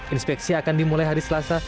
inspeksi akan dimulai hari selasa